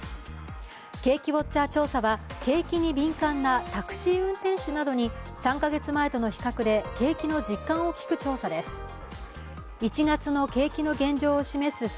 景気ウォッチャー調査は、景気に敏感なタクシー運転手などに３カ月前との比較で景気の実感を聞く調査です。